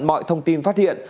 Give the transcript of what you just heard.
mọi thông tin phát hiện